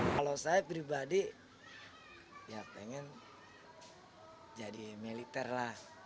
kalau saya pribadi ya pengen jadi militer lah